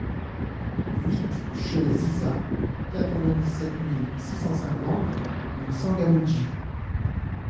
huit cHE ZIZA, quatre-vingt-dix-sept mille six cent cinquante M'Tsangamouji